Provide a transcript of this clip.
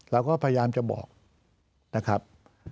เราก็พยายามจะบอกนะครับ